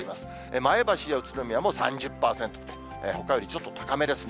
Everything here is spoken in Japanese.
前橋や宇都宮も３０％、ほかよりちょっと高めですね。